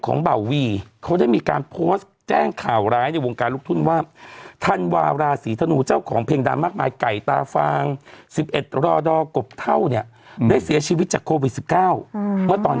เบาวีเขาได้มีการโพสต์แจ้งข่าวร้ายในวงการลูกทุ่งว่าธันวาราศีธนูเจ้าของเพลงดังมากมายไก่ตาฟาง๑๑รอดบเท่าเนี่ยได้เสียชีวิตจากโควิด๑๙เมื่อตอน